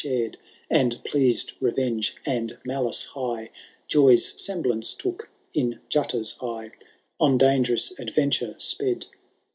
177 And pleaaed rerenge and malice high Joy^ semblance took in Jutta^ eye. On dangerouB adventure sped.